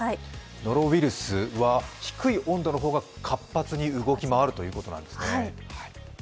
ノロウイルスは低い温度の方が活発に動き回るということなんですね。